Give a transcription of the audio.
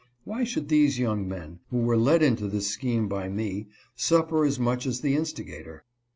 Why should these young men, who were led into this scheme by me, suffer as much as the instigator?